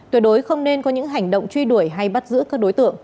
tuyệt đối không nên có những hành động truy đuổi hay bắt giữ các đối tượng